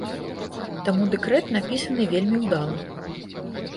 Таму дэкрэт напісаны вельмі ўдала.